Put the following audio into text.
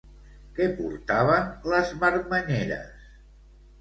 Què portaven les marmanyeres?